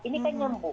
ini kan nyambung